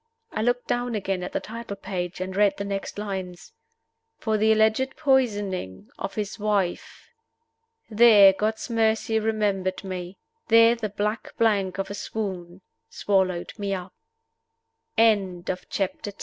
I looked down again at the title page, and read the next lines FOR THE ALLEGED POISONING OF HIS WIFE. There, God's mercy remembered me. There the black blank of a swoon swallowed me up. CHAPTER XI.